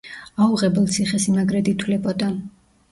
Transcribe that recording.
აუღებელ ციხესიმაგრედ ითვლებოდა.